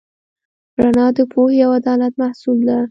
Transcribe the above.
رڼا د پوهې او عدالت محصول ده.